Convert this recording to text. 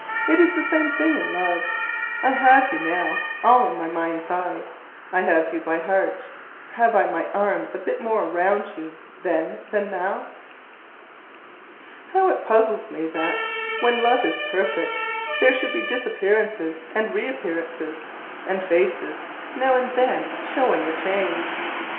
It is the same thing in love. I have you now all in my mind's eye; I have you by heart; have I my arms a bit more round you then than now? How it puzzles me that, when love is perfect, there should be disappearances and reappearances: and faces now and then showing a change!